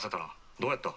どうやった？」。